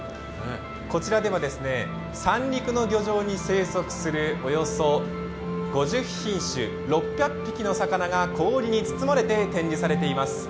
こちらでは三陸の漁場に生息するおよそ５０品種６００匹の魚が氷に包まれて展示されています。